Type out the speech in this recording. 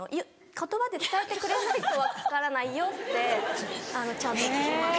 言葉で伝えてくれないと分からないよってちゃんと聞きます。